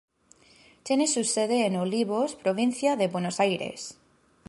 Tiene su sede en Olivos, Provincia de Buenos Aires.